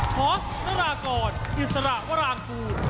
พอคนรากรอิสระวรางกูล